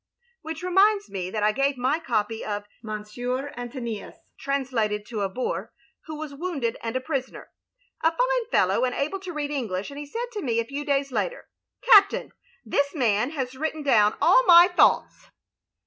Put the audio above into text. *" Which reminds me that I gave my copy of M. Antoninus, translated, to a Boer who was wounded and a prisoner, a fine fellow and able to read English, and he said to me a few days later: * Cap tain, this man has written down all my thoughts.